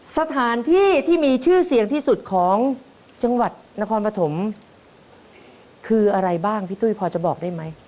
สถานที่ที่มีชื่อเสียงที่สุดของจังหวัดนครปฐมคืออะไรบ้างพี่ตุ้ยพอจะบอกได้ไหม